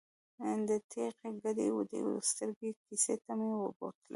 د ټېغې ګډې ودې سترګې کیسې ته مې بوتلم.